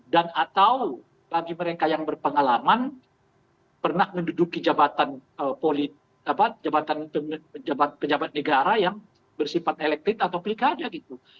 dan atau bagi mereka yang berpengalaman pernah menduduki jabatan polit jabatan penjabat negara yang bersifat elektif atau pilkada gitu